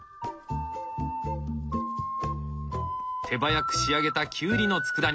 手早く仕上げたきゅうりのつくだ煮。